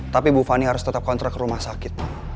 tapi ibu fani harus tetap kontrak rumah sakit pak